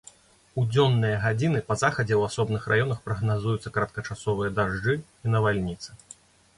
У дзённыя гадзіны па захадзе ў асобных раёнах прагназуюцца кароткачасовыя дажджы і навальніцы.